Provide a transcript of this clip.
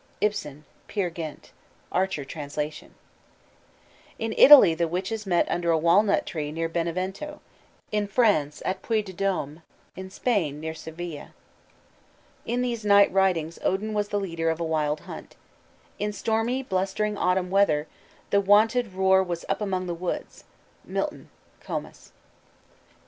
IBSEN: Peer Gynt. (Archer trans.) In Italy the witches met under a walnut tree near Benevento; in France, in Puy de Dome; in Spain, near Seville. In these night ridings Odin was the leader of a wild hunt. In stormy, blustering autumn weather "The wonted roar was up among the woods." MILTON: _Comus.